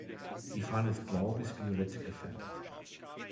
Die Fahne ist blau bis violett gefärbt.